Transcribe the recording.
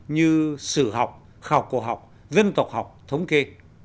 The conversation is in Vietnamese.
như sử học khảo cổ học dân tộc học thống kê